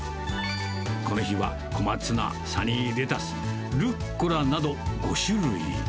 この日は小松菜、サニーレタス、ルッコラなど、５種類。